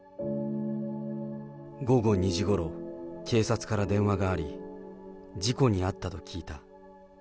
午後２時ごろ、警察から電話があり、事故に遭ったと聞いた。